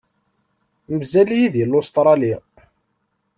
Mazal-iyi di Lustṛali.